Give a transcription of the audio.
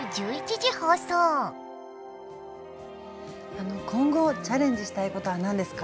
あの今後チャレンジしたいことは何ですか？